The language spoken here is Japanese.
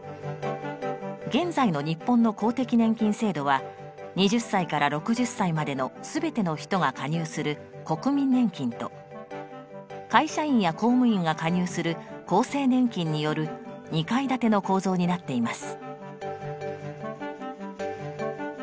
現在の日本の公的年金制度は２０歳から６０歳までの全ての人が加入する国民年金と会社員や公務員が加入する厚生年金による２階建ての構造になっています。